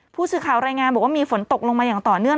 ผู้สื่อข่าวรายงานบอกว่ามีฝนตกลงมาอย่างต่อเนื่อง